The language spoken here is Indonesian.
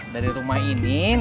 dari rumah ini